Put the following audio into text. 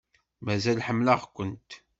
Mazal ḥemmleɣ-kent.